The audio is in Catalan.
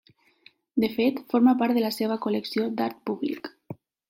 De fet, forma part de la seva col·lecció d'art públic.